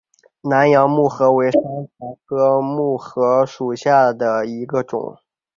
南洋木荷为山茶科木荷属下的一个种。